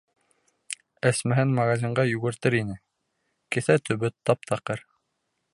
Әсмәһен магазинға йүгертер ине, кеҫә төбө тап-таҡыр.